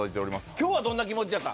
今日はどんな気持ちやった？